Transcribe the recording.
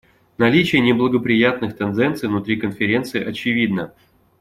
Наличие неблагоприятных тенденций внутри Конференции очевидно.